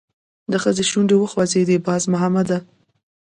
د ښځې شونډې وخوځېدې: باز مامده!